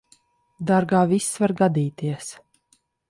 Dārgā, viss var gadīties.